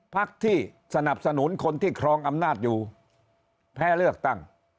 พักที่สนับสนุนคนที่ครองอำนาจอยู่แพ้เลือกตั้ง